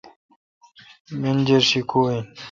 منجر شی کو این؟